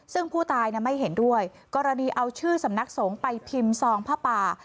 ซึ่งผู้ตายไม่เห็นด้วยกรณีเอาชื่อสำนักสงฆ์ไปพิมพ์ซองผ้าป่า